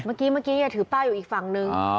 เมื่อกี้อย่าถือป้ายอยู่อีกฝั่งนึง